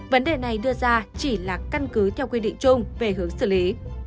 vấn đề này đưa ra chỉ là căn cứ theo quy định chung về hướng xử lý